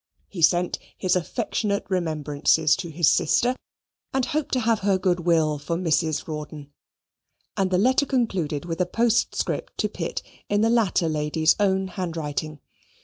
He sent his affectionate remembrances to his sister, and hoped to have her good will for Mrs. Rawdon; and the letter concluded with a postscript to Pitt in the latter lady's own handwriting.